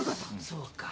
そうか。